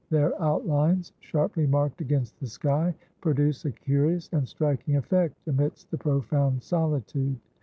Their outlines, sharply marked against the sky, produce a curious and striking effect amidst the profound solitude.